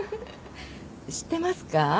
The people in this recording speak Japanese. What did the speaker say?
知ってますか？